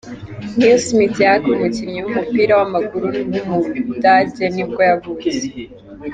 Nils Miatke, umukinnyi w’umupira w’amaguru w’umudage nibwo yavutse.